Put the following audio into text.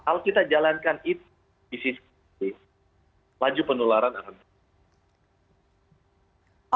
kalau kita jalankan itu disiplin lanjut penularan akan berjalan